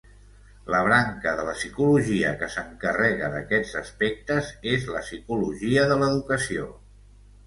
La branca de la psicologia que s'encarrega d'aquests aspectes, és la Psicologia de l'educació.